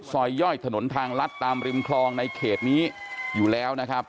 ย่อยถนนทางลัดตามริมคลองในเขตนี้อยู่แล้วนะครับ